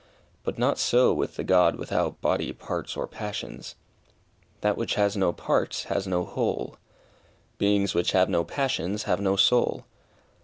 But not so with the God without "body, parts, or passions." That which has no parts, has no whole. Beings which have no passions, have no soul.